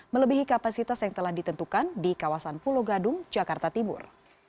melebihi kapasitas yang telah ditentukan di kawasan pulau gadung jakarta timur